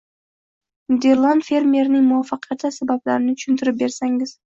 Niderland fermerining muvaffaqiyati sabablarini tushuntirib bersangiz.